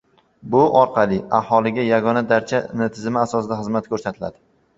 Bu orqali aholiga “Yagona darcha” tizimi asosida xizmat ko‘rsatiladi